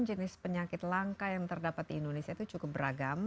jenis penyakit langka yang terdapat di indonesia itu cukup beragam